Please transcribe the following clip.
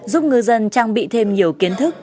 giúp ngư dân trang bị thêm nhiều kiến thức